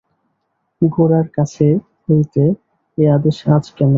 গোরার কাছ হইতে এ আদেশ আজ কেন?